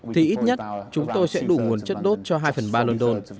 thì ít nhất chúng tôi sẽ đủ nguồn chất đốt cho hai phần ba london